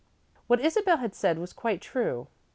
What Isabel had said was quite true.